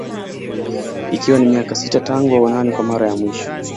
Ikiwa ni miaka sita tangu waonane kwa Mara ya mwisho